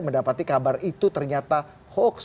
mendapati kabar itu ternyata hoax